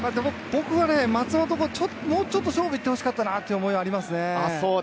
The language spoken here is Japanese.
僕は松本くん、もうちょっと勝負に行ってほしかったという思いがありますね。